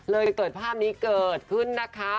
เกิดภาพนี้เกิดขึ้นนะคะ